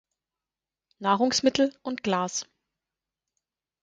Nahrungsmittel und Glas.